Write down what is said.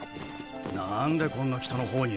何でこんな北の方に。